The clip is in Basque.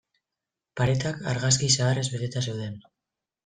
Paretak argazki zaharrez beteta zeuden.